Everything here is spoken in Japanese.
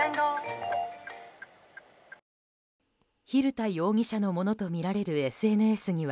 蛭田容疑者のものとみられるＳＮＳには